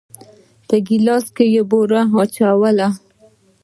په ګيلاس کې يې بوره واچوله.